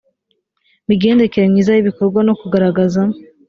migendekere myiza y ibikorwa no kugaragaza